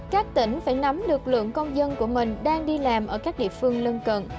các tỉnh phải nắm được lượng công dân của mình đang đi làm ở các địa phương lân cận